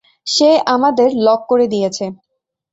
সে আমাদের লক করে দিয়েছে।